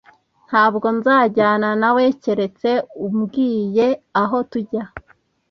Ntabwo nzajyana nawe keretse umbwiye aho tujya